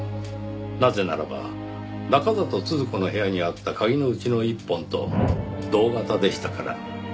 なぜならば中郷都々子の部屋にあった鍵のうちの一本と同型でしたから。